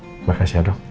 terima kasih ya dok